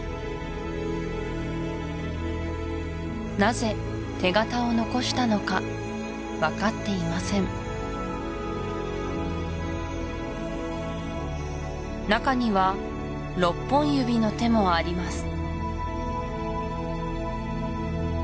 なぜ手形を残したのか分かっていません中には６本指の手もあります